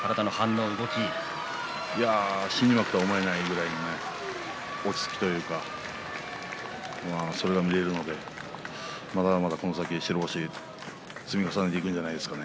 新入幕と思えないぐらいの落ち着きというかそれが見えるのでまだまだこの先、白星を積み重ねていくんじゃないですか。